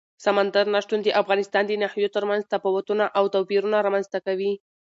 سمندر نه شتون د افغانستان د ناحیو ترمنځ تفاوتونه او توپیرونه رامنځ ته کوي.